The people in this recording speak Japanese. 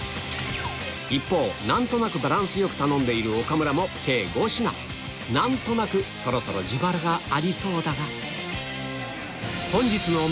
一方何となくバランスよく頼んでいる岡村何となくそろそろ自腹がありそうだが？